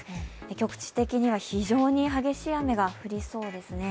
局地的には非常に激しい雨が降りそうですね。